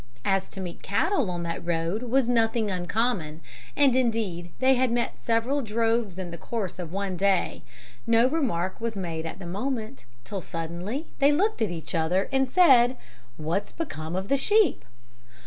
As to meet cattle on that road was nothing uncommon, and indeed they had met several droves in the course of one day, no remark was made at the moment, till suddenly each looked at the other, and said, 'What's become of the sheep?'